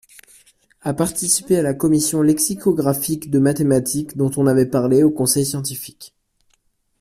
À participer à la commission lexicographique de mathématique dont on avait parlé au conseil scientifique.